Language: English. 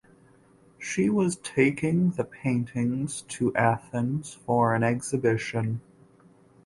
She was taking the paintings to Athens for an exhibition.